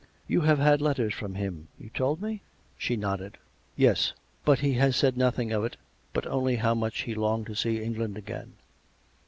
You have had letters from him, you told me .''" She nodded. '" Yes ; but he said nothing of it, but only how much he longed to see England again."